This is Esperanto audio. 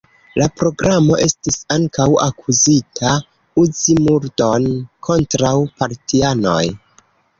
La programo estis ankaŭ akuzita uzi murdon kontraŭ partianoj.